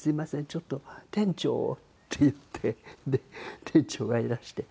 ちょっと店長を」って言ってで店長がいらして。